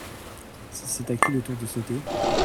C'est à qui le tour de sauter ?